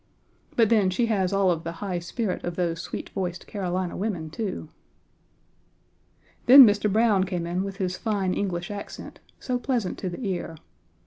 But then, she has all of the high spirit of those sweet voiced Carolina women, too. Then Mr. Browne came in with his fine English accent, so pleasant to the ear.